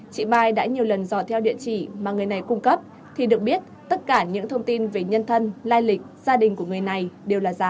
chị mai đã nhiều lần dò theo địa chỉ mà người này cung cấp thì được biết tất cả những thông tin về nhân thân lai lịch gia đình của người này đều là giả